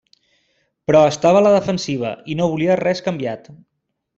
Però estava a la defensiva i no volia res canviat.